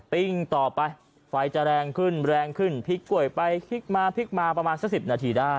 ปิ้งต่อไปไฟจะแรงขึ้นแรงขึ้นพลิกกล้วยไปพลิกมาพลิกมาประมาณสัก๑๐นาทีได้